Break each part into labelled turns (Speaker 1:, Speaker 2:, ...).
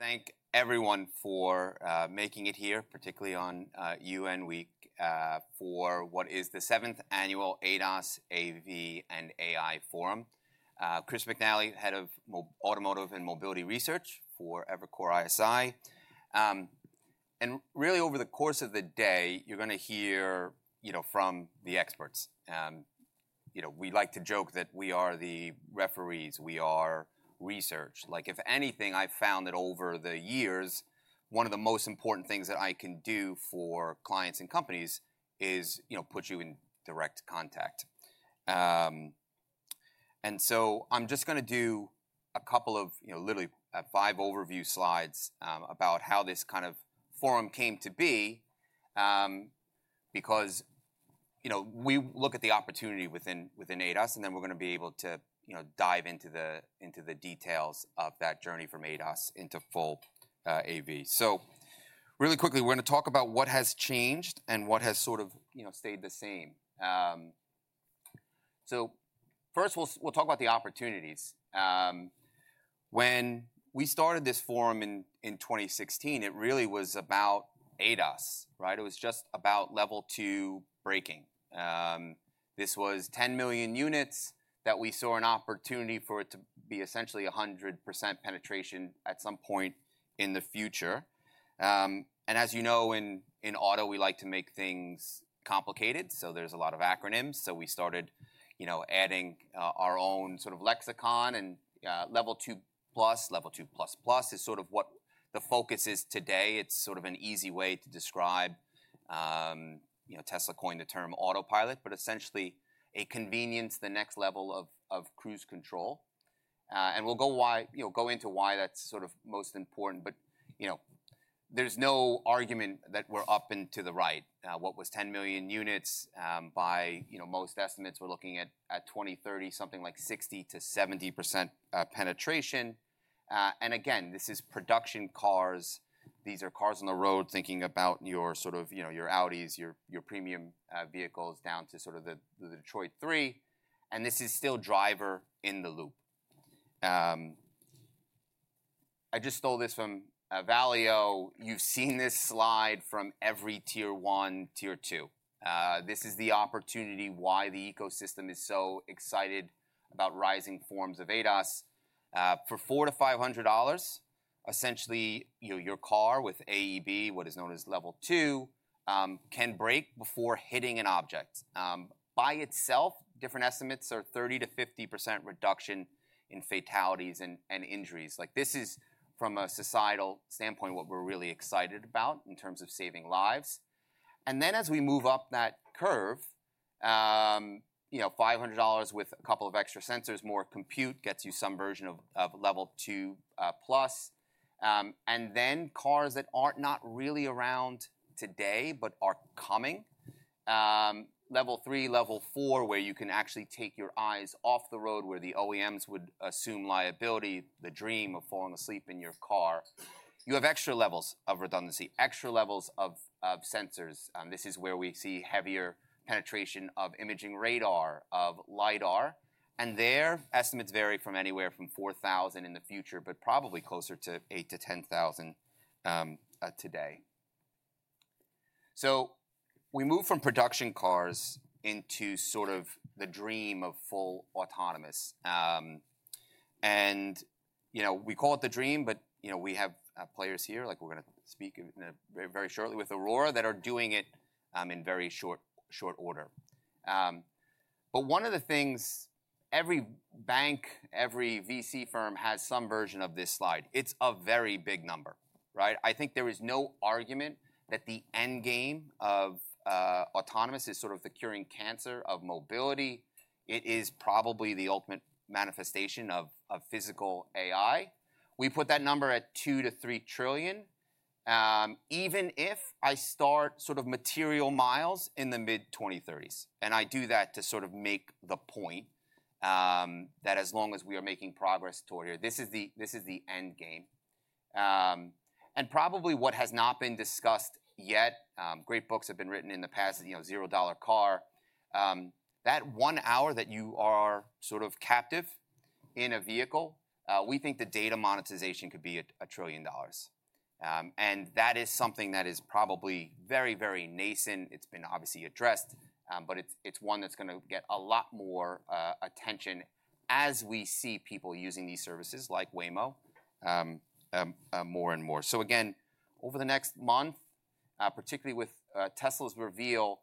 Speaker 1: Thank everyone for making it here, particularly on UN Week, for what is the seventh annual ADAS, AV, and AI Forum. Chris McNally, head of automotive and mobility research for Evercore ISI. And really, over the course of the day, you're gonna hear, you know, from the experts. You know, we like to joke that we are the referees, we are research. Like, if anything, I've found that over the years, one of the most important things that I can do for clients and companies is, you know, put you in direct contact. And so I'm just gonna do a couple of, you know, literally, five overview slides, about how this kind of forum came to be. Because, you know, we look at the opportunity within ADAS, and then we're gonna be able to, you know, dive into the details of that journey from ADAS into full AV. So really quickly, we're gonna talk about what has changed and what has sort of, you know, stayed the same. So first, we'll talk about the opportunities. When we started this forum in 2016, it really was about ADAS, right? It was just about Level 2 braking. This was 10 million units that we saw an opportunity for it to be essentially 100% penetration at some point in the future, and as you know, in auto, we like to make things complicated, so there's a lot of acronyms. So we started, you know, adding our own sort of lexicon, and Level 2 plus, Level 2 plus plus is sort of what the focus is today. It's sort of an easy way to describe. You know, Tesla coined the term Autopilot, but essentially a convenience, the next level of cruise control. And we'll go, you know, go into why that's sort of most important, but you know, there's no argument that we're up and to the right. What was 10 million units. By you know, most estimates we're looking at 2030, something like 60%-70% penetration. And again, this is production cars. These are cars on the road, thinking about your sort of, you know, your Audis, your premium vehicles, down to sort of the Detroit Three, and this is still driver in the loop. I just stole this from Valeo. You've seen this slide from every Tier 1, Tier 2. This is the opportunity why the ecosystem is so excited about rising forms of ADAS. For $400-$500, essentially, you know, your car with AEB, what is known as Level 2, can brake before hitting an object. By itself, different estimates are 30%-50% reduction in fatalities and injuries. Like, this is, from a societal standpoint, what we're really excited about in terms of saving lives. As we move up that curve, you know, $500 with a couple of extra sensors, more compute, gets you some version of Level 2 plus. And then cars that aren't really around today but are coming, Level 3, Level 4, where you can actually take your eyes off the road, where the OEMs would assume liability, the dream of falling asleep in your car. You have extra levels of redundancy, extra levels of sensors, and this is where we see heavier penetration of imaging radar, of lidar. And there, estimates vary from 4,000 in the future, but probably closer to 8,000-10,000 today. We move from production cars into sort of the dream of full autonomous. And, you know, we call it the dream, but, you know, we have players here, like we're gonna speak very shortly with Aurora, that are doing it in very short order. But one of the things, every bank, every VC firm has some version of this slide. It's a very big number, right? I think there is no argument that the end game of autonomous is sort of the curing cancer of mobility. It is probably the ultimate manifestation of physical AI. We put that number at $2- $3 trillion, even if I start sort of material miles in the mid-2030s, and I do that to sort of make the point, that as long as we are making progress toward here, this is the, this is the end game. And probably what has not been discussed yet, great books have been written in the past, you know, Zero Dollar Car. That one hour that you are sort of captive in a vehicle, we think the data monetization could be a $1 trillion. And that is something that is probably very, very nascent. It's been obviously addressed, but it's one that's gonna get a lot more attention as we see people using these services, like Waymo, more and more. So again, over the next month, particularly with Tesla's reveal,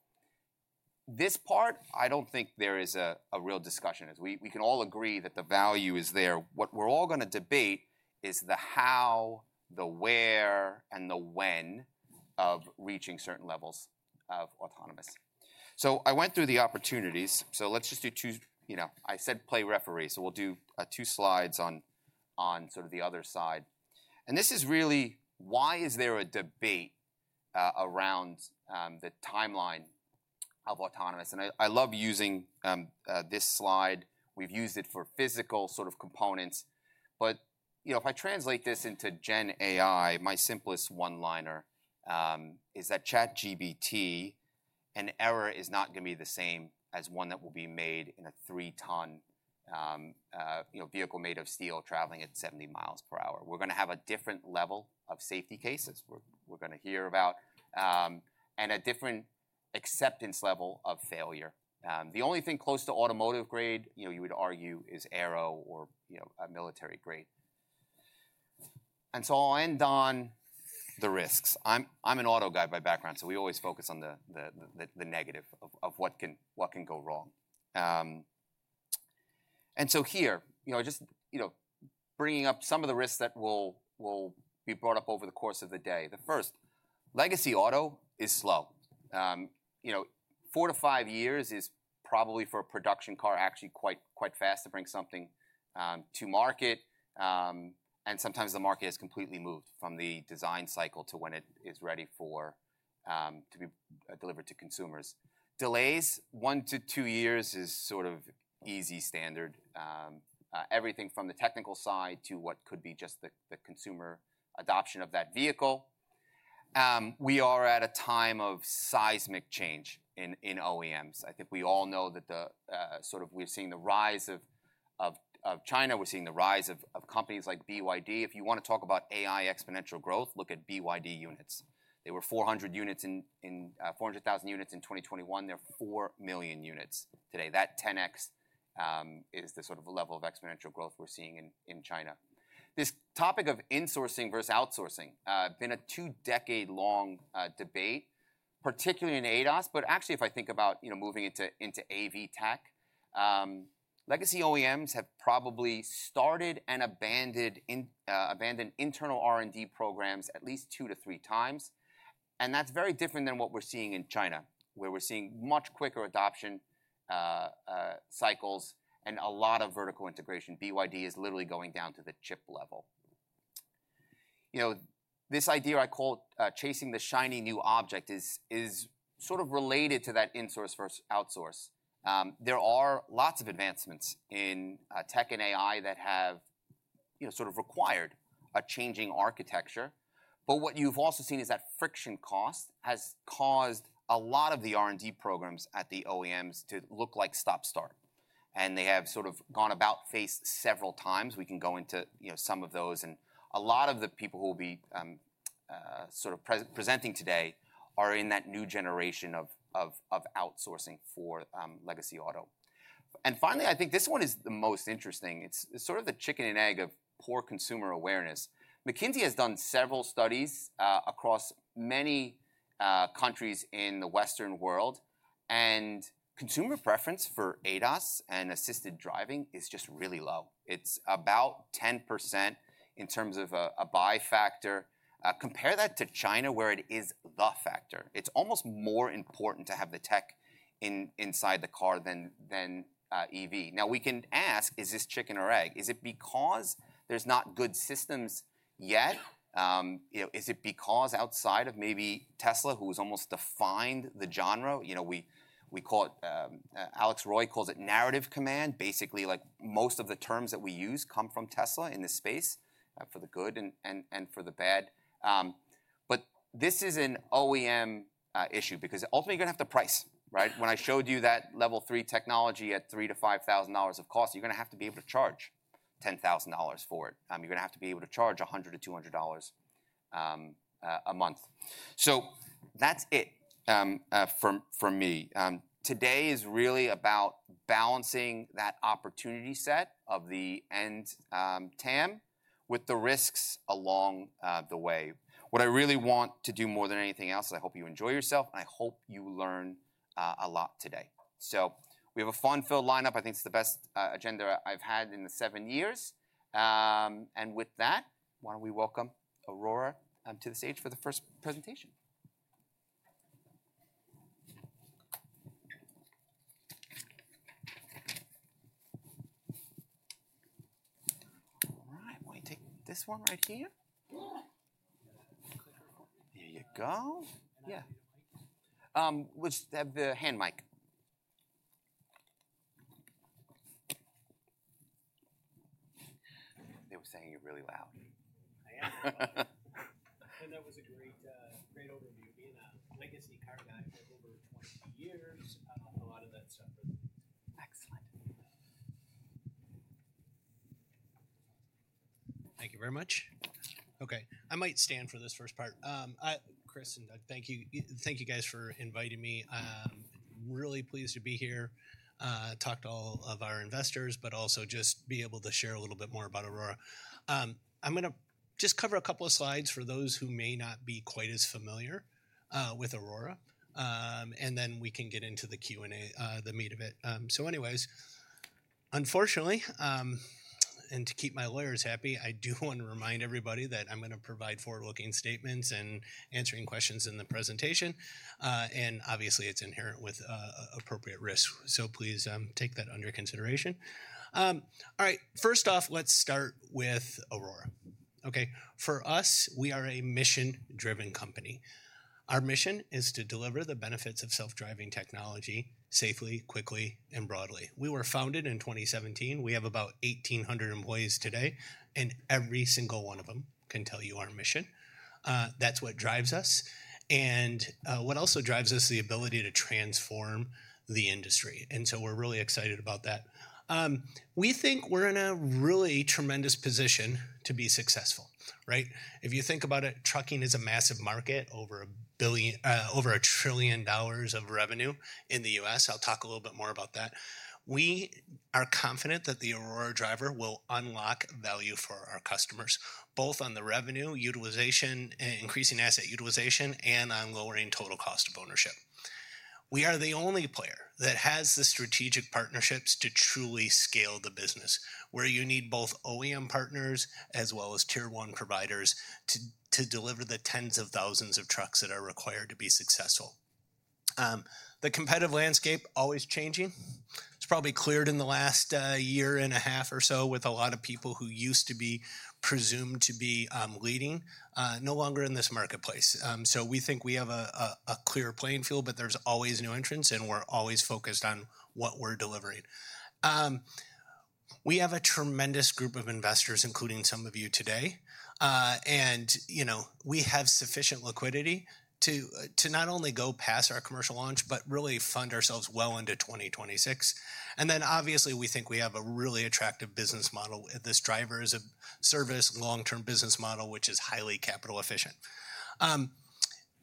Speaker 1: this part, I don't think there is a real discussion, as we can all agree that the value is there. What we're all gonna debate is the how, the where, and the when of reaching certain levels of autonomous. So I went through the opportunities, so let's just do two. You know, I said play referee, so we'll do two slides on sort of the other side. And this is really why is there a debate around the timeline of autonomous. And I love using this slide. We've used it for physical sort of components, but you know, if I translate this into Gen AI, my simplest one-liner is that ChatGPT, an error is not gonna be the same as one that will be made in a three-ton vehicle made of steel traveling at 70 miles per hour. We're gonna have a different level of safety cases. We're gonna hear about and a different acceptance level of failure. The only thing close to automotive grade, you know, you would argue is aero or, you know, a military grade. And so I'll end on the risks. I'm an auto guy by background, so we always focus on the negative of what can go wrong. And so here, you know, just, you know, bringing up some of the risks that will be brought up over the course of the day. The first, legacy auto is slow. You know, four-to-five years is probably for a production car, actually quite fast to bring something to market. And sometimes the market has completely moved from the design cycle to when it is ready to be delivered to consumers. Delays, one-to-two years is sort of easy standard. Everything from the technical side to what could be just the consumer adoption of that vehicle. We are at a time of seismic change in OEMs. I think we all know that the sort of we've seen the rise of China, we're seeing the rise of companies like BYD. If you wanna talk about AI exponential growth, look at BYD units. They were 400,000 units in 2021. They're 4 million units today. That 10X is the sort of level of exponential growth we're seeing in China. This topic of insourcing versus outsourcing been a two-decade-long debate, particularly in ADAS. But actually, if I think about, you know, moving into AV tech, legacy OEMs have probably started and abandoned internal R&D programs at least two to three times, and that's very different than what we're seeing in China, where we're seeing much quicker adoption cycles and a lot of vertical integration. BYD is literally going down to the chip level. You know, this idea I call chasing the shiny new object is sort of related to that insource versus outsource. There are lots of advancements in tech and AI that have, you know, sort of required a changing architecture, but what you've also seen is that friction cost has caused a lot of the R&D programs at the OEMs to look like stop-start, and they have sort of gone about faced several times. We can go into, you know, some of those, and a lot of the people who will be sort of presenting today are in that new generation of outsourcing for legacy auto. And finally, I think this one is the most interesting. It's sort of the chicken and egg of poor consumer awareness. McKinsey has done several studies across many countries in the Western world, and consumer preference for ADAS and assisted driving is just really low. It's about 10% in terms of a buy factor. Compare that to China, where it is the factor. It's almost more important to have the tech inside the car than EV. Now, we can ask: Is this chicken or egg? Is it because there's not good systems yet? You know, is it because outside of maybe Tesla, who has almost defined the genre? You know, we call it. Alex Roy calls it narrative command. Basically, like most of the terms that we use come from Tesla in this space, for the good and for the bad, but this is an OEM issue because ultimately, you're gonna have to price, right? When I showed you that Level 3 technology at $3,000-$5,000 of cost, you're gonna have to be able to charge $10,000 for it. You're gonna have to be able to charge $100-$200 a month, so that's it, from me. Today is really about balancing that opportunity set of the enormous TAM with the risks along the way. What I really want to do more than anything else is I hope you enjoy yourself, and I hope you learn a lot today, so we have a fun-filled lineup. I think it's the best agenda I've had in the seven years, and with that, why don't we welcome Aurora to the stage for the first presentation? All right, why don't you take this one right here? Here you go. We'll just have the hand mic. They were saying you're really loud.
Speaker 2: I am. And that was a great, great overview. Being a legacy car guy for over twenty years, a lot of that stuff really...
Speaker 1: Excellent.
Speaker 2: Thank you very much. Okay, I might stand for this first part. Chris, and thank you. Thank you guys for inviting me. Really pleased to be here, talk to all of our investors, but also just be able to share a little bit more about Aurora. I'm gonna just cover a couple of slides for those who may not be quite as familiar with Aurora, and then we can get into the Q and A, the meat of it. So anyways, unfortunately, and to keep my lawyers happy, I do want to remind everybody that I'm gonna provide forward-looking statements and answering questions in the presentation. And obviously, it's inherent with appropriate risk. So please, take that under consideration. All right, first off, let's start with Aurora. Okay, for us, we are a mission-driven company. Our mission is to deliver the benefits of self-driving technology safely, quickly, and broadly. We were founded in 2017. We have about 1,800 employees today, and every single one of them can tell you our mission, that's what drives us, and what also drives us is the ability to transform the industry, and so we're really excited about that. We think we're in a really tremendous position to be successful, right? If you think about it, trucking is a massive market, over $1 trillion of revenue in the U.S. I'll talk a little bit more about that. We are confident that the Aurora Driver will unlock value for our customers, both on the revenue, utilization, increasing asset utilization, and on lowering total cost of ownership. We are the only player that has the strategic partnerships to truly scale the business, where you need both OEM partners as well as Tier 1 providers to deliver the tens of thousands of trucks that are required to be successful. The competitive landscape, always changing. It's probably cleared in the last year and a half or so with a lot of people who used to be presumed to be leading no longer in this marketplace, so we think we have a clear playing field, but there's always new entrants, and we're always focused on what we're delivering. We have a tremendous group of investors, including some of you today, and you know, we have sufficient liquidity to not only go past our commercial launch, but really fund ourselves well into 2026. Then obviously, we think we have a really attractive business model. This Driver-as-a-Service long-term business model, which is highly capital efficient.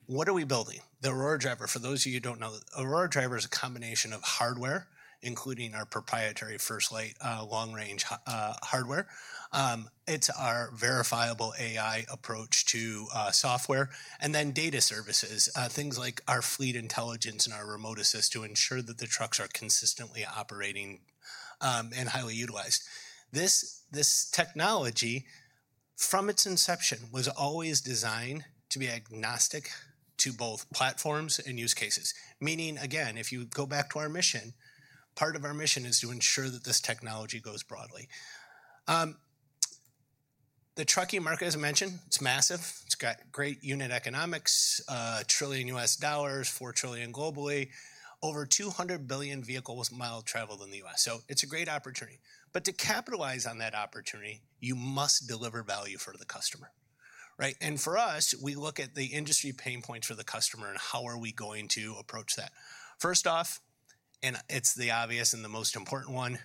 Speaker 2: What are we building? The Aurora Driver, for those of you who don't know, Aurora Driver is a combination of hardware, including our proprietary FirstLight, long-range hardware. It's our verifiable AI approach to software, and then data services, things like our fleet intelligence and our remote assist to ensure that the trucks are consistently operating and highly utilized. This technology, from its inception, was always designed to be agnostic to both platforms and use cases, meaning, again, if you go back to our mission, part of our mission is to ensure that this technology goes broadly. The trucking market, as I mentioned, it's massive. It's got great unit economics, $1 trillion, $4 trillion globally, over 200 billion vehicle miles traveled in the US, so it's a great opportunity. But to capitalize on that opportunity, you must deliver value for the customer, right? And for us, we look at the industry pain points for the customer and how are we going to approach that. First off, and it's the obvious and the most important one,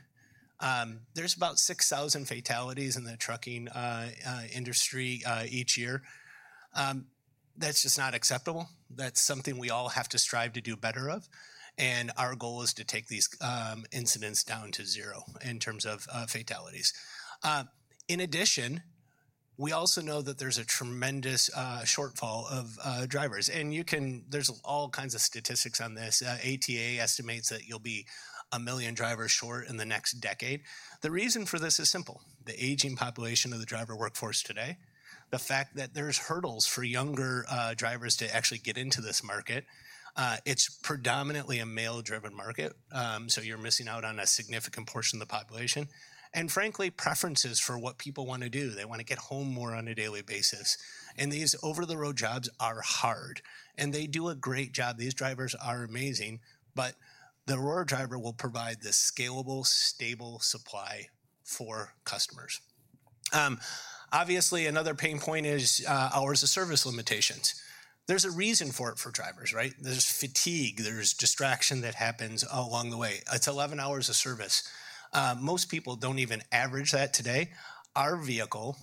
Speaker 2: there's about 6,000 fatalities in the trucking industry each year. That's just not acceptable. That's something we all have to strive to do better of, and our goal is to take these incidents down to zero in terms of fatalities. In addition, we also know that there's a tremendous shortfall of drivers, and you can-- there's all kinds of statistics on this. ATA estimates that you'll be a million drivers short in the next decade. The reason for this is simple: the aging population of the driver workforce today, the fact that there's hurdles for younger, drivers to actually get into this market. It's predominantly a male-driven market, so you're missing out on a significant portion of the population, and frankly, preferences for what people want to do. They want to get home more on a daily basis, and these over-the-road jobs are hard, and they do a great job. These drivers are amazing, but the Aurora Driver will provide the scalable, stable supply for customers. Obviously, another pain point is, hours of service limitations. There's a reason for it for drivers, right? There's fatigue, there's distraction that happens along the way. It's eleven hours of service. Most people don't even average that today. Our vehicle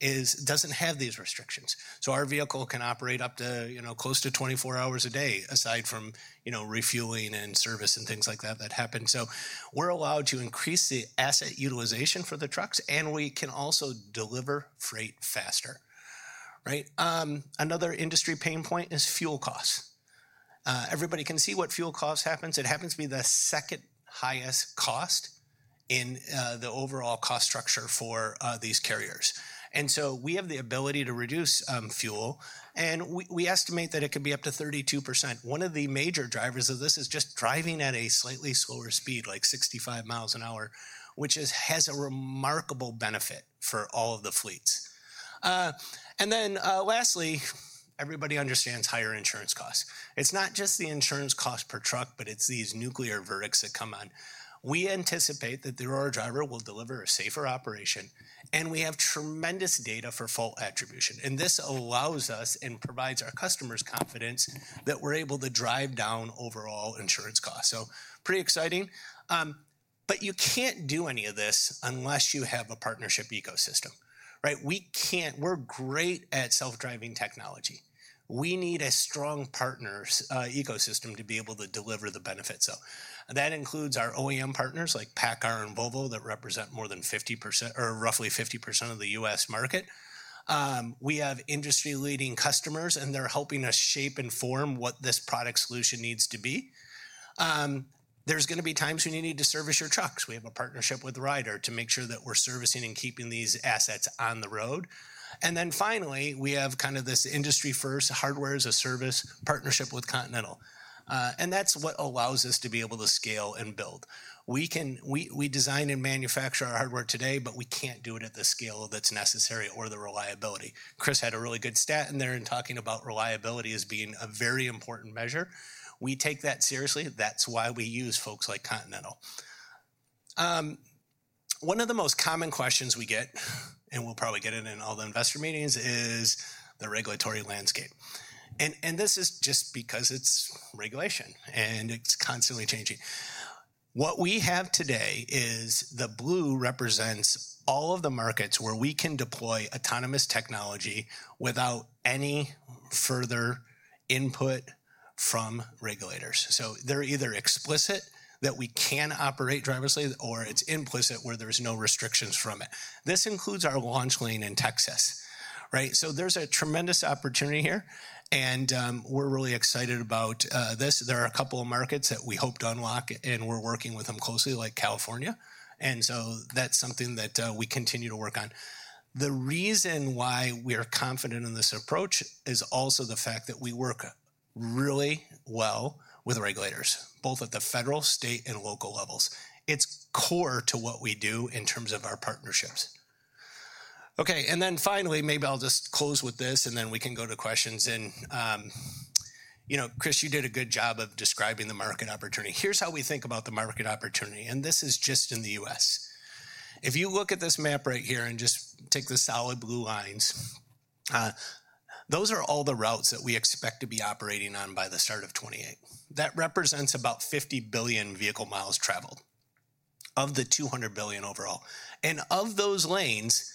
Speaker 2: doesn't have these restrictions, so our vehicle can operate up to, you know, close to 24 hours a day, aside from, you know, refueling and service and things like that that happen. So we're allowed to increase the asset utilization for the trucks, and we can also deliver freight faster, right? Another industry pain point is fuel costs. Everybody can see what fuel costs happen. It happens to be the second highest cost in the overall cost structure for these carriers. And so we have the ability to reduce fuel, and we estimate that it could be up to 32%. One of the major drivers of this is just driving at a slightly slower speed, like 65 miles an hour, which has a remarkable benefit for all of the fleets. And then, lastly, everybody understands higher insurance costs. It's not just the insurance cost per truck, but it's these nuclear verdicts that come on. We anticipate that the Aurora Driver will deliver a safer operation, and we have tremendous data for fault attribution, and this allows us and provides our customers confidence that we're able to drive down overall insurance costs. So pretty exciting. But you can't do any of this unless you have a partnership ecosystem, right? We're great at self-driving technology. We need a strong partners ecosystem to be able to deliver the benefits. So that includes our OEM partners like PACCAR and Volvo, that represent more than 50% or roughly 50% of the U.S. market. We have industry-leading customers, and they're helping us shape and form what this product solution needs to be. There's gonna be times when you need to service your trucks. We have a partnership with Ryder to make sure that we're servicing and keeping these assets on the road, and then finally, we have kind of this industry-first, Hardware-as-a-Service partnership with Continental, and that's what allows us to be able to scale and build. We design and manufacture our hardware today, but we can't do it at the scale that's necessary or the reliability. Chris had a really good stat in there in talking about reliability as being a very important measure. We take that seriously. That's why we use folks like Continental. One of the most common questions we get, and we'll probably get it in all the investor meetings, is the regulatory landscape, and this is just because it's regulation, and it's constantly changing. What we have today is the blue represents all of the markets where we can deploy autonomous technology without any further input from regulators. So they're either explicit, that we can operate driverlessly, or it's implicit, where there's no restrictions from it. This includes our launch lane in Texas, right? So there's a tremendous opportunity here, and we're really excited about this. There are a couple of markets that we hope to unlock, and we're working with them closely, like California, and so that's something that we continue to work on. The reason why we are confident in this approach is also the fact that we work really well with regulators, both at the federal, state, and local levels. It's core to what we do in terms of our partnerships. Okay, and then finally, maybe I'll just close with this, and then we can go to questions. And, you know, Chris, you did a good job of describing the market opportunity. Here's how we think about the market opportunity, and this is just in the U.S. If you look at this map right here and just take the solid blue lines, those are all the routes that we expect to be operating on by the start of 2028. That represents about fifty billion vehicle miles traveled, of the two hundred billion overall. And of those lanes,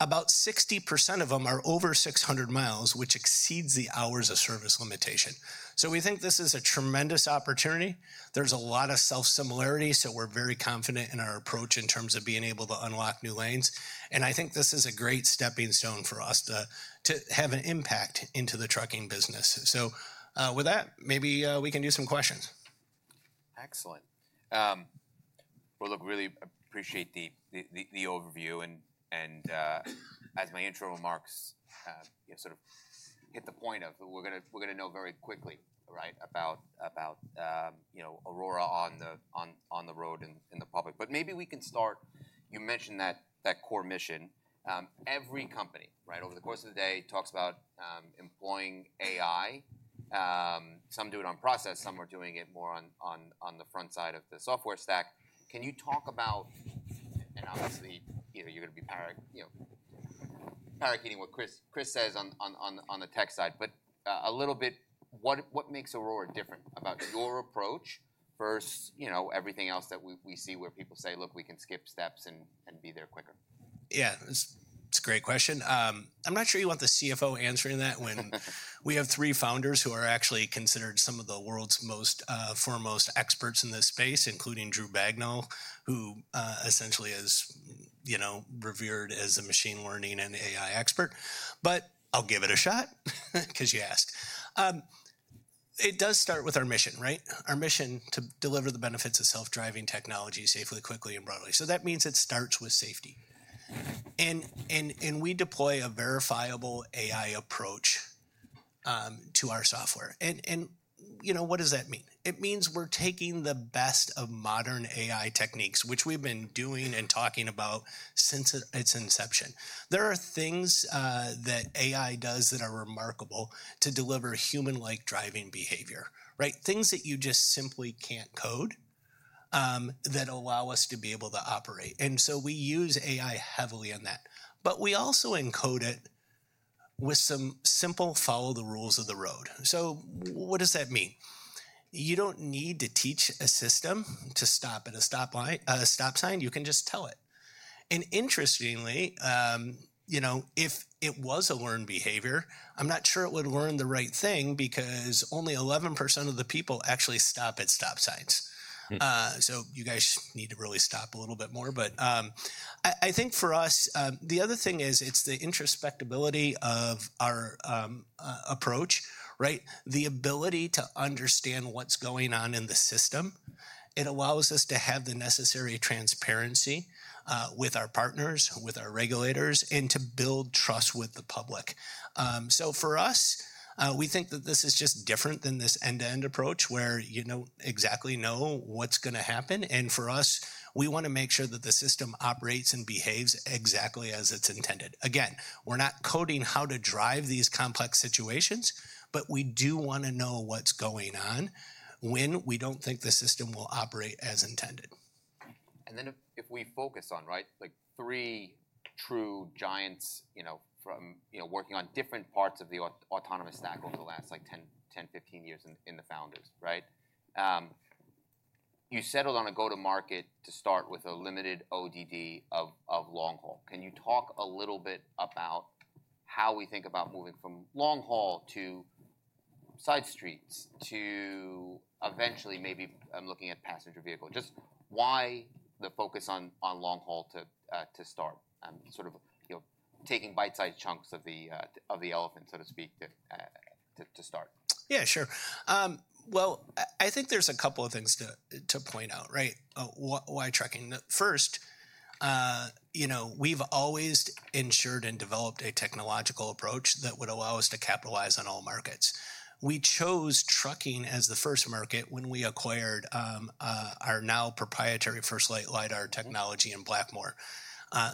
Speaker 2: about 60% of them are over 600 miles, which exceeds the hours of service limitation. So we think this is a tremendous opportunity. There's a lot of self-similarity, so we're very confident in our approach in terms of being able to unlock new lanes, and I think this is a great stepping stone for us to have an impact into the trucking business. With that, maybe we can do some questions.
Speaker 1: Excellent. Well, look, we really appreciate the overview, and as my intro remarks, you know, sort of hit the point of, we're gonna know very quickly, right, about you know, Aurora on the road and in the public. But maybe we can start. You mentioned that core mission. Every company, right, over the course of the day talks about employing AI. Some do it on process, some are doing it more on the front side of the software stack. Can you talk about, and obviously, you know, you're gonna be parroting what Chris says on the tech side, but a little bit, what makes Aurora different about your approach versus, you know, everything else that we see where people say, "Look, we can skip steps and be there quicker?
Speaker 2: Yeah, it's, it's a great question. I'm not sure you want the CFO answering that when we have three founders who are actually considered some of the world's most foremost experts in this space, including Drew Bagnell, who essentially is, you know, revered as a machine learning and AI expert. But I'll give it a shot, 'cause you asked. It does start with our mission, right? Our mission: to deliver the benefits of self-driving technology safely, quickly, and broadly. So that means it starts with safety. And we deploy a verifiable AI approach to our software. And you know, what does that mean? It means we're taking the best of modern AI techniques, which we've been doing and talking about since its inception. There are things that AI does that are remarkable to deliver human-like driving behavior, right? Things that you just simply can't code, that allow us to be able to operate, and so we use AI heavily on that. But we also encode it with some simple follow the rules of the road. So what does that mean? You don't need to teach a system to stop at a stoplight, a stop sign. You can just tell it. And interestingly, you know, if it was a learned behavior, I'm not sure it would learn the right thing, because only 11% of the people actually stop at stop signs.
Speaker 1: Hmm.
Speaker 2: So you guys need to really stop a little bit more. But, I think for us, the other thing is it's the introspectability of our approach, right? The ability to understand what's going on in the system. It allows us to have the necessary transparency with our partners, with our regulators, and to build trust with the public. So for us, we think that this is just different than this end-to-end approach, where you don't exactly know what's gonna happen. And for us, we wanna make sure that the system operates and behaves exactly as it's intended. Again, we're not coding how to drive these complex situations, but we do wanna know what's going on when we don't think the system will operate as intended.
Speaker 1: If we focus on, right, like, three true giants, you know, from, you know, working on different parts of the autonomous stack over the last, like, ten to fifteen years in the founders, right? You settled on a go-to-market to start with a limited ODD of long haul. Can you talk a little bit about how we think about moving from long haul to side streets, to eventually maybe looking at passenger vehicle? Just why the focus on long haul to start and sort of, you know, taking bite-sized chunks of the elephant, so to speak, to start?
Speaker 2: Yeah, sure. I think there's a couple of things to, to point out, right? Why trucking? First, you know, we've always ensured and developed a technological approach that would allow us to capitalize on all markets. We chose trucking as the first market when we acquired our now proprietary FirstLight lidar technology in Blackmore.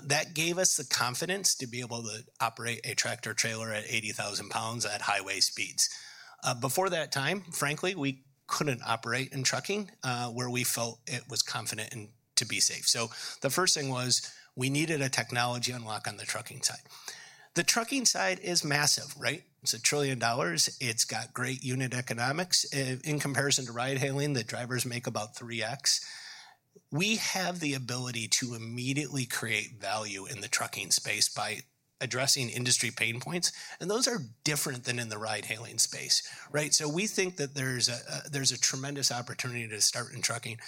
Speaker 2: That gave us the confidence to be able to operate a tractor-trailer at 80,000 pounds at highway speeds. Before that time, frankly, we couldn't operate in trucking where we felt confident and to be safe. So the first thing was, we needed a technology unlock on the trucking side. The trucking side is massive, right? It's $1 trillion. It's got great unit economics. In comparison to ride-hailing, the drivers make about 3x. We have the ability to immediately create value in the trucking space by addressing industry pain points, and those are different than in the ride-hailing space, right? So we think that there's a tremendous opportunity to start in trucking.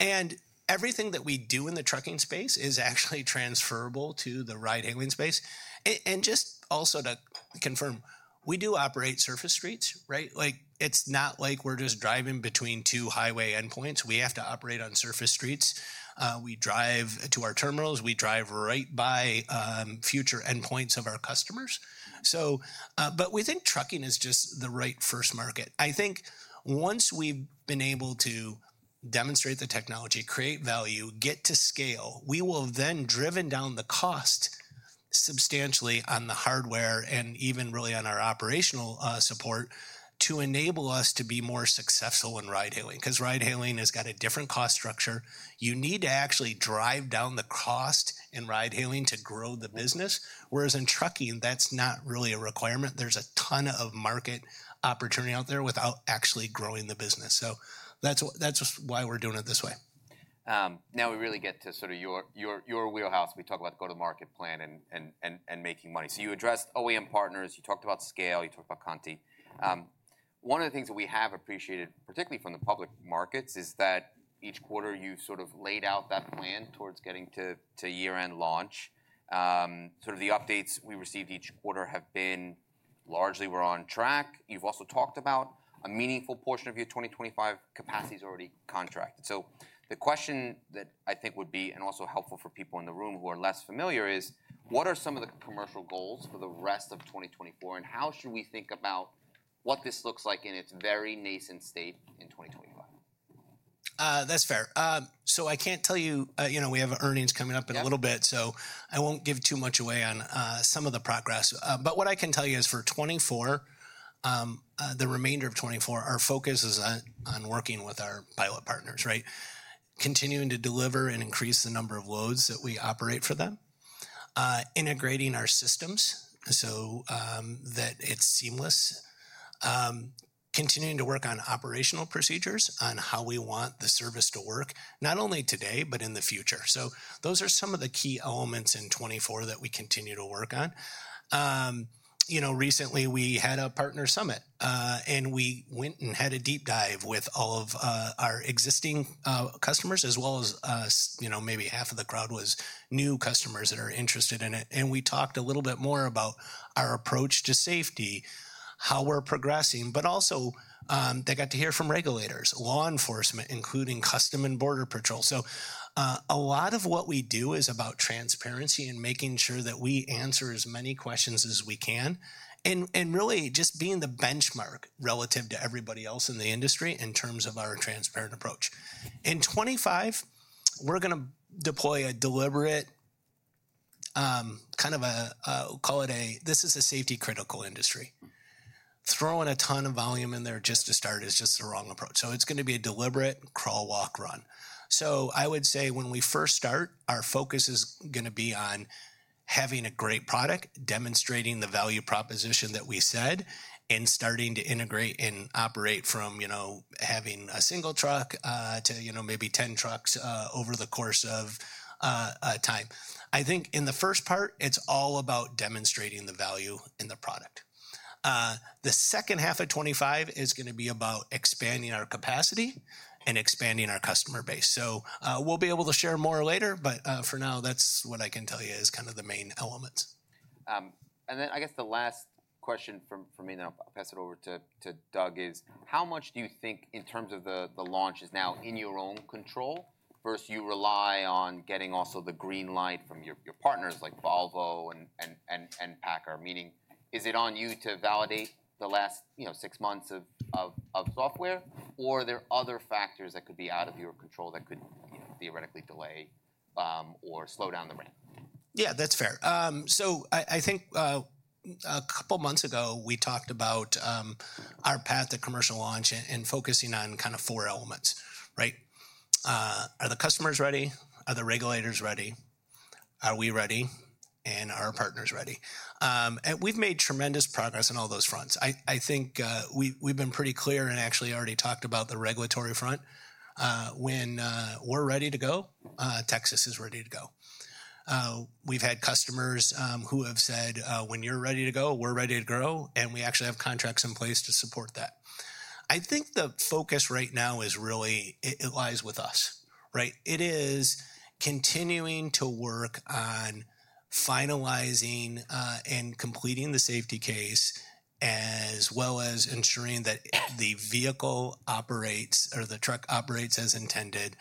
Speaker 2: And everything that we do in the trucking space is actually transferable to the ride-hailing space. And just also to confirm, we do operate surface streets, right? Like, it's not like we're just driving between two highway endpoints. We have to operate on surface streets. We drive to our terminals. We drive right by future endpoints of our customers. So, but we think trucking is just the right first market. I think once we've been able to demonstrate the technology, create value, get to scale, we will have then driven down the cost substantially on the hardware and even really on our operational support, to enable us to be more successful in ride hailing. Because ride hailing has got a different cost structure. You need to actually drive down the cost in ride hailing to grow the business, whereas in trucking, that's not really a requirement. There's a ton of market opportunity out there without actually growing the business, so that's why we're doing it this way.
Speaker 1: Now we really get to sort of your wheelhouse. We talk about go-to-market plan and making money. So you addressed OEM partners, you talked about scale, you talked about Conti. One of the things that we have appreciated, particularly from the public markets, is that each quarter, you've sort of laid out that plan towards getting to year-end launch. Sort of the updates we received each quarter have been, largely, we're on track. You've also talked about a meaningful portion of your 2025 capacity is already contracted. So the question that I think would be, and also helpful for people in the room who are less familiar is: What are some of the commercial goals for the rest of 2024, and how should we think about what this looks like in its very nascent state in 2025?
Speaker 2: That's fair. So I can't tell you. You know, we have earnings coming up-
Speaker 1: Yeah...
Speaker 2: in a little bit, so I won't give too much away on some of the progress. But what I can tell you is, for 2024, the remainder of 2024, our focus is on working with our pilot partners, right? Continuing to deliver and increase the number of loads that we operate for them. Integrating our systems so that it's seamless. Continuing to work on operational procedures, on how we want the service to work, not only today, but in the future. So those are some of the key elements in 2024 that we continue to work on. You know, recently, we had a partner summit, and we went and had a deep dive with all of our existing customers, as well as you know, maybe half of the crowd was new customers that are interested in it. And we talked a little bit more about our approach to safety, how we're progressing, but also, they got to hear from regulators, law enforcement, including Customs and Border Protection. So, a lot of what we do is about transparency and making sure that we answer as many questions as we can and really just being the benchmark relative to everybody else in the industry in terms of our transparent approach. In 2025, we're gonna deploy a deliberate, kind of a, call it a this is a safety-critical industry.
Speaker 1: Mm-hmm.
Speaker 2: Throwing a ton of volume in there just to start is just the wrong approach, so it's gonna be a deliberate crawl, walk, run. So I would say when we first start, our focus is gonna be on having a great product, demonstrating the value proposition that we said, and starting to integrate and operate from, you know, having a single truck, to, you know, maybe ten trucks, over the course of, time. I think in the first part, it's all about demonstrating the value in the product. The second half of 2025 is gonna be about expanding our capacity and expanding our customer base. So, we'll be able to share more later, but, for now, that's what I can tell you is kind of the main elements.
Speaker 1: And then I guess the last question from me, then I'll pass it over to Doug, is: How much do you think, in terms of the launch, is now in your own control, versus you rely on getting also the green light from your partners like Volvo and PACCAR? Meaning, is it on you to validate the last, you know, six months of software, or are there other factors that could be out of your control that could, you know, theoretically delay or slow down the ramp?
Speaker 2: Yeah, that's fair. So I think a couple months ago, we talked about our path to commercial launch and focusing on kind of four elements, right? Are the customers ready? Are the regulators ready? Are we ready? And are our partners ready? We've made tremendous progress on all those fronts. I think we've been pretty clear and actually already talked about the regulatory front. When we're ready to go, Texas is ready to go. We've had customers who have said, "When you're ready to go, we're ready to grow," and we actually have contracts in place to support that. I think the focus right now is really it lies with us, right? It is continuing to work on finalizing and completing the safety case, as well as ensuring that the vehicle operates or the truck operates as intended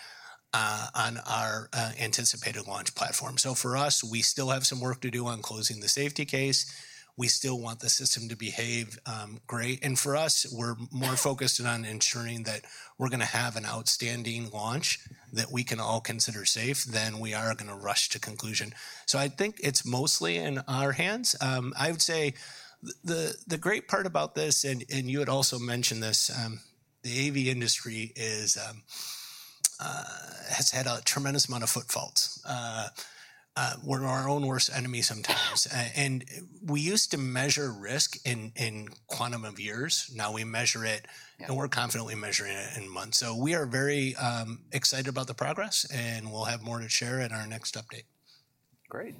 Speaker 2: on our anticipated launch platform. So for us, we still have some work to do on closing the safety case. We still want the system to behave great, and for us, we're more focused in on ensuring that we're gonna have an outstanding launch that we can all consider safe than we are gonna rush to conclusion. So I think it's mostly in our hands. I would say the great part about this, and you had also mentioned this, the AV industry has had a tremendous amount of foot faults. We're our own worst enemy sometimes, and we used to measure risk in quantum of years. Now we measure it-
Speaker 1: Yeah.
Speaker 2: And we're confidently measuring it in months. So we are very excited about the progress, and we'll have more to share in our next update.
Speaker 1: Great.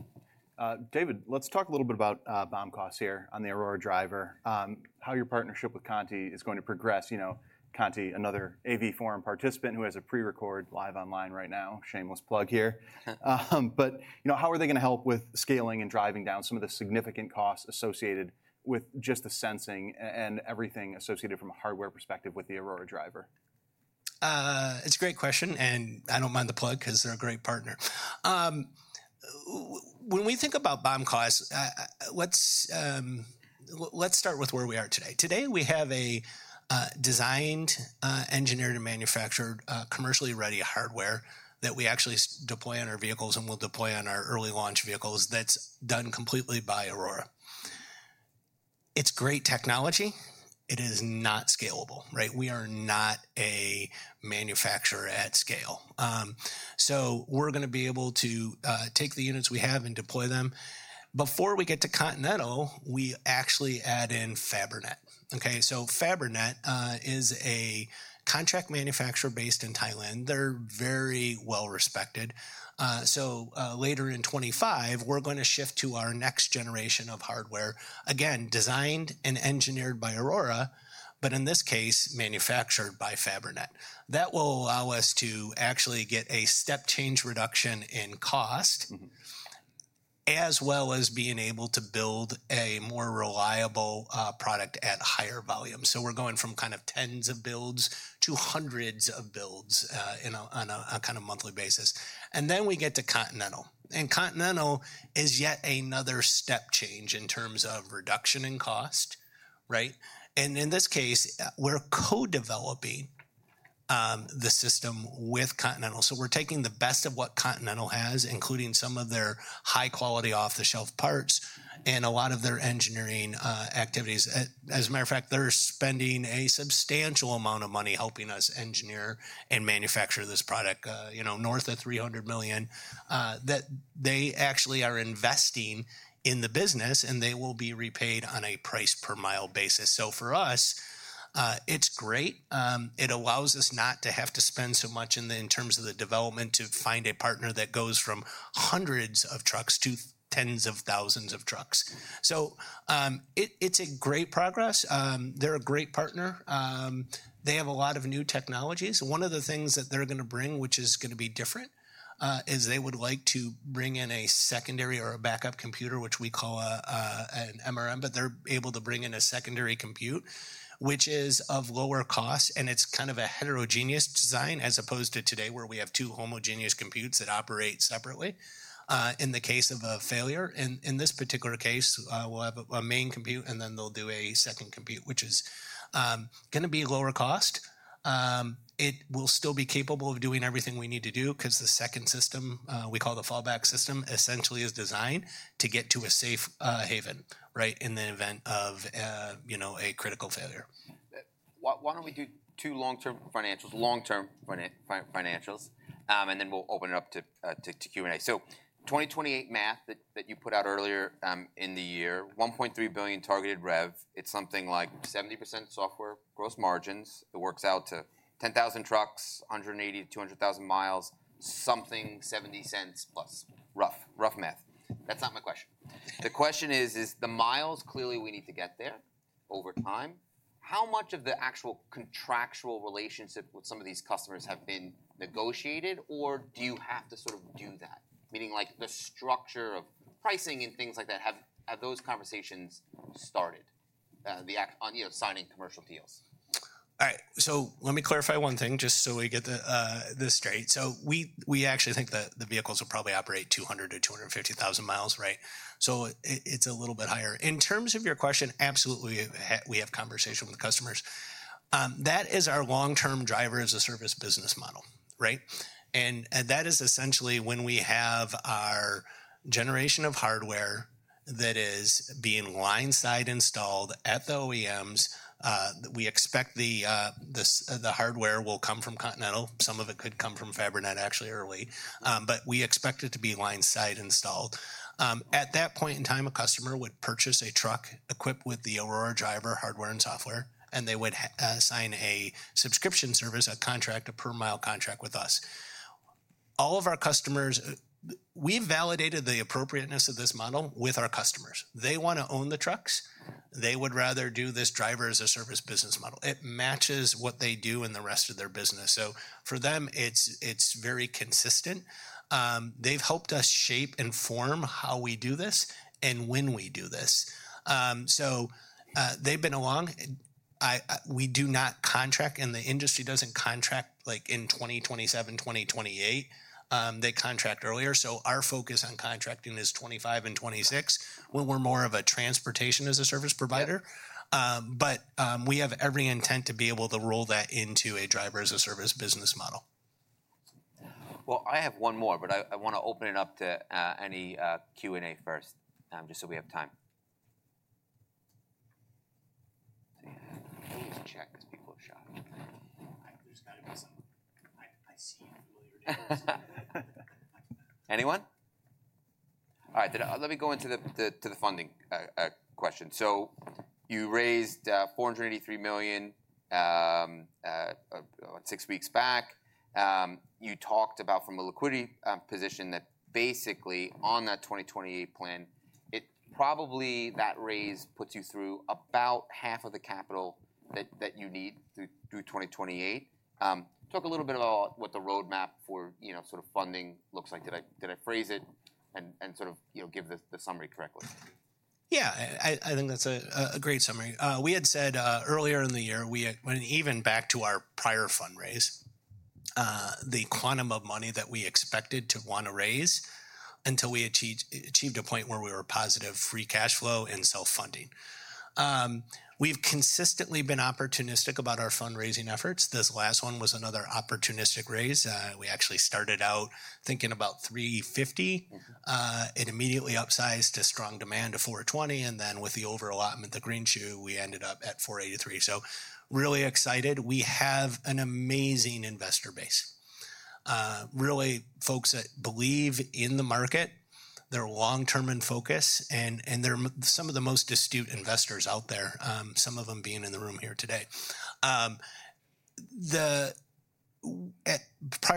Speaker 1: David, let's talk a little bit about BOM costs here on the Aurora Driver, how your partnership with Conti is going to progress. You know, Conti, another AV forum participant who has a pre-record live online right now. Shameless plug here. But, you know, how are they gonna help with scaling and driving down some of the significant costs associated with just the sensing and everything associated from a hardware perspective with the Aurora Driver?
Speaker 2: It's a great question, and I don't mind the plug 'cause they're a great partner. When we think about BOM costs, let's start with where we are today. Today, we have a designed, engineered, and manufactured, commercially ready hardware that we actually deploy on our vehicles and will deploy on our early launch vehicles that's done completely by Aurora. It's great technology. It is not scalable, right? We are not a manufacturer at scale. So we're gonna be able to take the units we have and deploy them. Before we get to Continental, we actually add in Fabrinet. Okay, so Fabrinet is a contract manufacturer based in Thailand. They're very well-respected. So, later in twenty-five, we're gonna shift to our next generation of hardware. Again, designed and engineered by Aurora, but in this case, manufactured by Fabrinet. That will allow us to actually get a step change reduction in cost-
Speaker 1: Mm-hmm...
Speaker 2: as well as being able to build a more reliable product at higher volume. So we're going from kind of tens of builds to hundreds of builds on a kind of monthly basis. And then we get to Continental, and Continental is yet another step change in terms of reduction in cost, right? And in this case, we're co-developing the system with Continental. So we're taking the best of what Continental has, including some of their high-quality off-the-shelf parts and a lot of their engineering activities. As a matter of fact, they're spending a substantial amount of money helping us engineer and manufacture this product, you know, north of $300 million that they actually are investing in the business, and they will be repaid on a price-per-mile basis. So for us, it's great. It allows us not to have to spend so much in terms of the development, to find a partner that goes from hundreds of trucks to tens of thousands of trucks.
Speaker 1: Mm-hmm.
Speaker 2: It's a great progress. They're a great partner. They have a lot of new technologies. One of the things that they're gonna bring, which is gonna be different, is they would like to bring in a secondary or a backup computer, which we call an MRM. But they're able to bring in a secondary compute, which is of lower cost, and it's kind of a heterogeneous design, as opposed to today, where we have two homogeneous computes that operate separately in the case of a failure. In this particular case, we'll have a main compute, and then they'll do a second compute, which is gonna be lower cost. It will still be capable of doing everything we need to do 'cause the second system we call the fallback system essentially is designed to get to a safe haven, right, in the event of you know a critical failure.
Speaker 1: Why don't we do two long-term financials? And then we'll open it up to Q and A. So 2028 math that you put out earlier in the year, $1.3 billion targeted rev. It's something like 70% software gross margins. It works out to 10,000 trucks, 180-200,000 miles, something, $0.70 plus. Rough math. That's not my question. The question is, is the miles... Clearly, we need to get there over time. How much of the actual contractual relationship with some of these customers have been negotiated, or do you have to sort of do that? Meaning, like, the structure of pricing and things like that, have those conversations started on, you know, signing commercial deals?
Speaker 2: All right, so let me clarify one thing, just so we get this straight, so we actually think that the vehicles will probably operate 200-250 thousand miles, right, so it’s a little bit higher. In terms of your question, absolutely, we have conversation with customers. That is our long-term driver-as-a-service business model, right? And that is essentially when we have our generation of hardware that is being line-side installed at the OEMs. We expect the hardware will come from Continental. Some of it could come from Fabrinet actually early. But we expect it to be line-side installed. At that point in time, a customer would purchase a truck equipped with the Aurora Driver hardware and software, and they would sign a subscription service, a contract, a per-mile contract with us. All of our customers. We've validated the appropriateness of this model with our customers. They wanna own the trucks. They would rather do this driver-as-a-service business model. It matches what they do in the rest of their business. So for them, it's very consistent. They've helped us shape and form how we do this and when we do this. So, they've been along. I, we do not contract, and the industry doesn't contract, like, in 2027, 2028. They contract earlier. So our focus on contracting is 2025 and 2026, when we're more of a Transportation-as-a-Service provider. But we have every intent to be able to roll that into a driver-as-a-service business model.
Speaker 1: Well, I have one more, but I wanna open it up to any Q&A first, just so we have time. I need to check because people have shot. There's got to be some. I see familiar names. Anyone? All right, then let me go into the funding question. So you raised $483 million about six weeks back. You talked about from a liquidity position that basically on that 2028 plan, it probably that raise puts you through about half of the capital that you need through 2028. Talk a little bit about what the roadmap for, you know, sort of funding looks like. Did I phrase it and sort of, you know, give the summary correctly?
Speaker 2: Yeah, I think that's a great summary. We had said earlier in the year, well, even back to our prior fundraise, the quantum of money that we expected to want to raise until we achieved a point where we were positive free cash flow and self-funding. We've consistently been opportunistic about our fundraising efforts. This last one was another opportunistic raise. We actually started out thinking about three fifty-
Speaker 1: Mm-hmm.
Speaker 2: It immediately upsized to strong demand to $420, and then with the overallotment, the Greenshoe, we ended up at $483. So really excited. We have an amazing investor base. Really folks that believe in the market, they're long-term in focus, and they're some of the most astute investors out there, some of them being in the room here today. Prior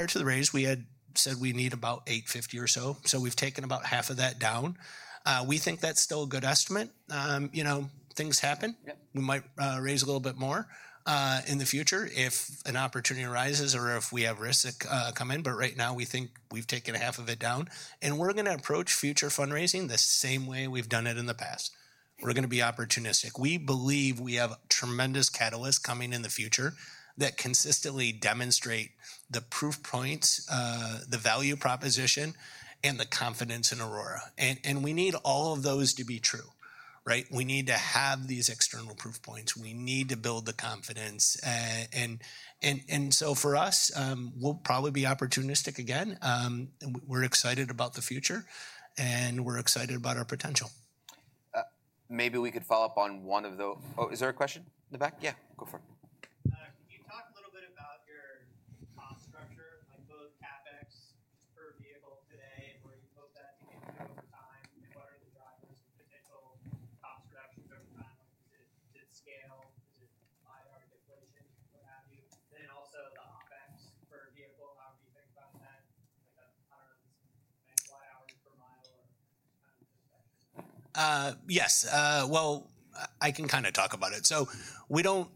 Speaker 2: to the raise, we had said we need about $850 or so, so we've taken about half of that down. We think that's still a good estimate. You know, things happen.
Speaker 1: Yep.
Speaker 2: We might raise a little bit more in the future if an opportunity arises or if we have risks come in. But right now, we think we've taken half of it down, and we're gonna approach future fundraising the same way we've done it in the past. We're gonna be opportunistic. We believe we have tremendous catalysts coming in the future that consistently demonstrate the proof points, the value proposition, and the confidence in Aurora. And we need all of those to be true, right? We need to have these external proof points. We need to build the confidence. And so for us, we'll probably be opportunistic again. We're excited about the future, and we're excited about our potential.
Speaker 1: Maybe we could follow up on one of the... Oh, is there a question in the back? Yeah, go for it. Can you talk a little bit about your cost structure, like both CapEx per vehicle today, and where you hope that to get you over time? And what are the drivers of potential cost reductions over time? Is it scale? Is it high articulation, what have you? Then also the OpEx per vehicle, how do you think about that? Like, I don't know, mile hours per mile or perspective.
Speaker 2: Yes. Well, I can kind of talk about it. So we don't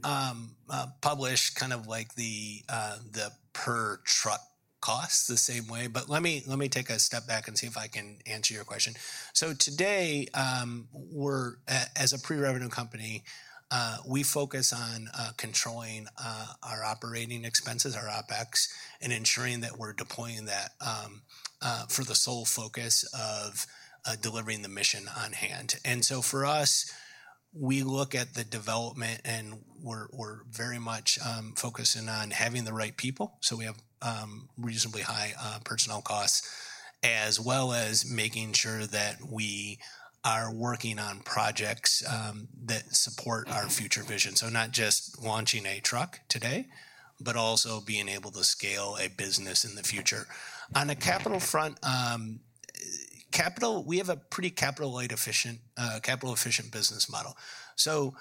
Speaker 2: publish kind of like the per truck cost the same way, but let me take a step back and see if I can answer your question. So today, we're, as a pre-revenue company, we focus on controlling our operating expenses, our OpEx, and ensuring that we're deploying that for the sole focus of delivering the mission on hand. And so for us, we look at the development, and we're very much focusing on having the right people. So we have reasonably high personnel costs, as well as making sure that we are working on projects that support our future vision. So not just launching a truck today, but also being able to scale a business in the future. On a capital front, we have a pretty capital-light efficient, capital-efficient business model. So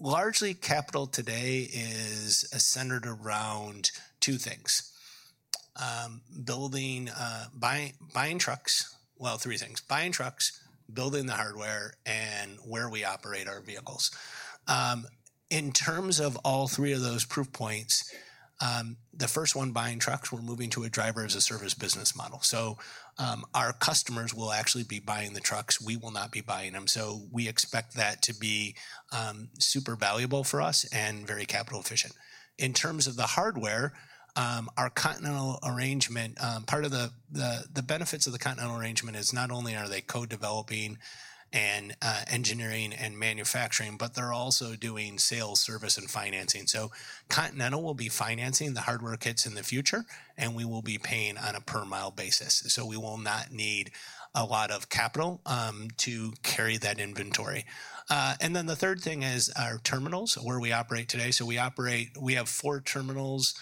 Speaker 2: largely, capital today is centered around two things: building, buying trucks. Well, three things: buying trucks, building the hardware, and where we operate our vehicles. In terms of all three of those proof points, the first one, buying trucks, we're moving to a driver-as-a-service business model. So, our customers will actually be buying the trucks. We will not be buying them. So we expect that to be, super valuable for us and very capital efficient. In terms of the hardware, our Continental arrangement, part of the benefits of the Continental arrangement is not only are they co-developing and, engineering and manufacturing, but they're also doing sales, service, and financing. So Continental will be financing the hardware kits in the future, and we will be paying on a per-mile basis. So we will not need a lot of capital to carry that inventory. And then the third thing is our terminals, where we operate today. So we operate. We have four terminals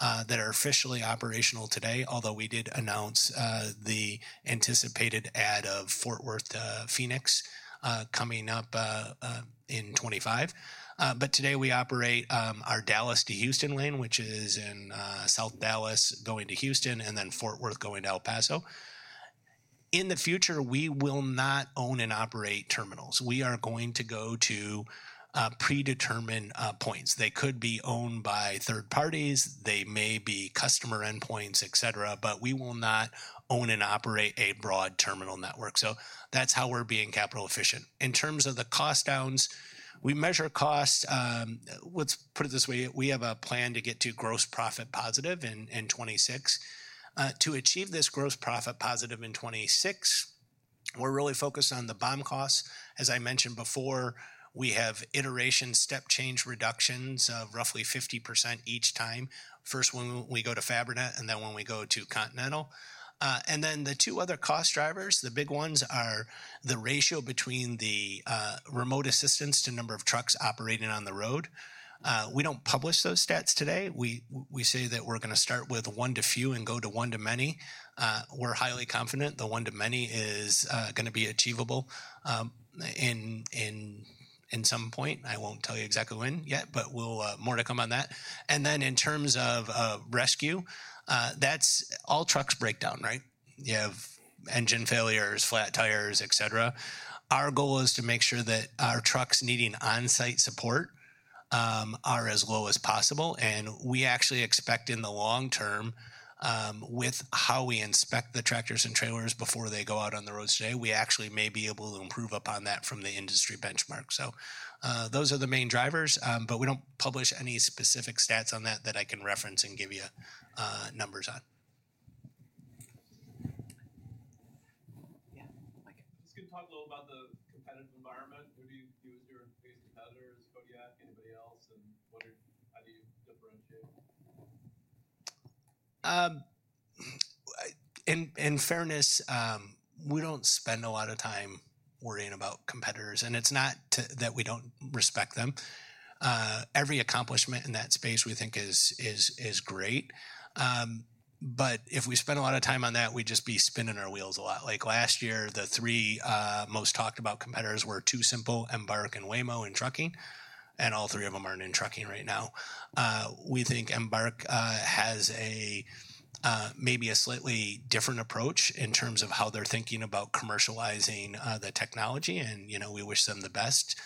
Speaker 2: that are officially operational today, although we did announce the anticipated add of Fort Worth, Phoenix, coming up in 2025. But today we operate our Dallas to Houston lane, which is in South Dallas, going to Houston, and then Fort Worth, going to El Paso. In the future, we will not own and operate terminals. We are going to go to predetermined points. They could be owned by third parties, they may be customer endpoints, et cetera, but we will not own and operate a broad terminal network, so that's how we're being capital efficient. In terms of the cost downs, we measure cost. Let's put it this way: We have a plan to get to gross profit positive in 2026 to achieve this gross profit positive in 2026. We're really focused on the BOM costs. As I mentioned before, we have iteration step change reductions of roughly 50% each time. First, when we go to Fabrinet, and then when we go to Continental, and then the two other cost drivers, the big ones, are the ratio between the remote assistance to number of trucks operating on the road. We don't publish those stats today. We say that we're gonna start with one-to-few and go to one-to-many. We're highly confident the one-to-many is gonna be achievable in some point. I won't tell you exactly when yet, but we'll more to come on that. Then in terms of rescue, that's. All trucks break down, right? You have engine failures, flat tires, et cetera. Our goal is to make sure that our trucks needing on-site support are as low as possible, and we actually expect in the long term with how we inspect the tractors and trailers before they go out on the roads today, we actually may be able to improve upon that from the industry benchmark. So those are the main drivers, but we don't publish any specific stats on that that I can reference and give you numbers on.
Speaker 1: Yeah. Okay. Just gonna talk a little about the competitive environment. Who do you view as your biggest competitors, Kodiak, anybody else, and how do you differentiate?
Speaker 2: In fairness, we don't spend a lot of time worrying about competitors, and it's not that we don't respect them. Every accomplishment in that space we think is great. But if we spend a lot of time on that, we'd just be spinning our wheels a lot. Like, last year, the three most talked about competitors were TuSimple, Embark and Waymo in trucking, and all three of them aren't in trucking right now. We think Embark has maybe a slightly different approach in terms of how they're thinking about commercializing the technology, and, you know, we wish them the best.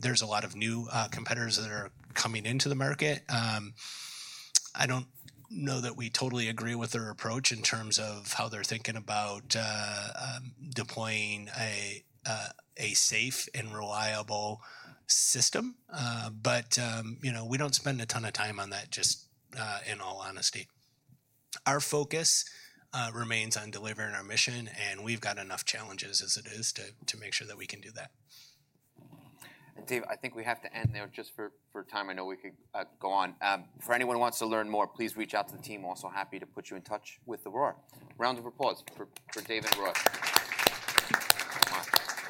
Speaker 2: There's a lot of new competitors that are coming into the market. I don't know that we totally agree with their approach in terms of how they're thinking about deploying a safe and reliable system, but you know, we don't spend a ton of time on that, just in all honesty. Our focus remains on delivering our mission, and we've got enough challenges as it is to make sure that we can do that.
Speaker 1: And Dave, I think we have to end there just for time. I know we could go on. For anyone who wants to learn more, please reach out to the team. Also, happy to put you in touch with Aurora. Round of applause for Dave and Aurora.